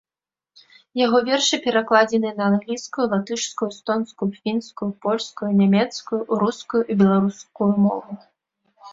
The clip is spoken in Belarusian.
Яго вершы перакладзеныя на англійскую, латышскую, эстонскую, фінскую, польскую, нямецкую, рускую і беларускую мовы.